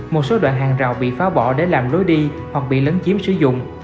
một số đoạn hàng rào bị phá bỏ để làm lối đi hoặc bị lấn chiếm sử dụng